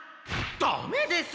ダメです！